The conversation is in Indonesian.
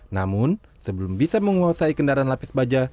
namun sebelum bisa menguasai kendaraan lapis baja